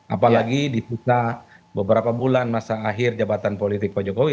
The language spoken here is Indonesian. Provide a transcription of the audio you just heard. apalagi diputar beberapa bulan masa akhir jabatan politik pak jokowi